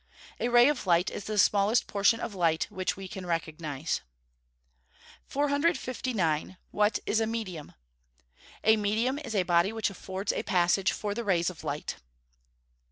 _ A ray of light is the smallest portion of light which we can recognise. 459. What is a medium? A medium is a body which affords a passage for the rays of light.